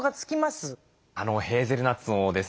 あのヘーゼルナッツのですね